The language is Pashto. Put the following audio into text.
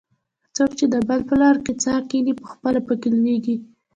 څوک چې د بل په لار کې څا کیني؛ پخپله په کې لوېږي.